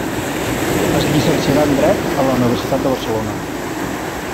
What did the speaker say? Es llicenciarà en Dret a la Universitat de Barcelona.